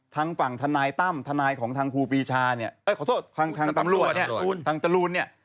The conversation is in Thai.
ทางฝั่งทนายตั้มทนายของทางครูปีชาเนี่ยเอ้ยขอโทษทางตำรวจเนี่ยทางจรูนเนี่ย